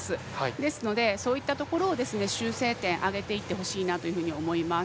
ですので、そういったところを修正点上げていってほしいなと思います。